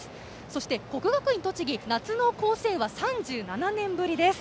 そして国学院栃木夏の甲子園は３７年ぶりです。